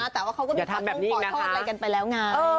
แต่ว่าเขาก็ไม่ต้องขอโทษอะไรกันไปแล้วไง